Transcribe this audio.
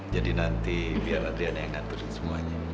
jadi nanti biar adriana yang ngaturin semuanya